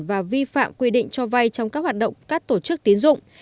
và vi phạm quy định cho vay trong các hoạt động các tổ chức tiến dụng